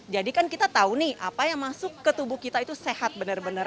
jadi kan kita tahu nih apa yang masuk ke tubuh kita itu sehat benar benar